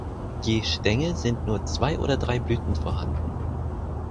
Je Stängel sind nur zwei oder drei Blüten vorhanden.